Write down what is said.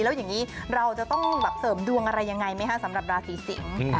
แล้วอย่างนี้เราจะต้องแบบเสริมดวงอะไรยังไงไหมคะสำหรับราศีสิงศ์